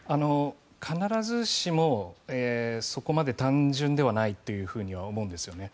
必ずしもそこまで単純ではないとは思うんですよね